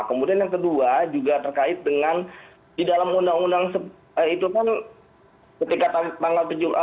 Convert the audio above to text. kemudian yang kedua juga terkait dengan di dalam undang undang itu kan ketika tanggal tujuh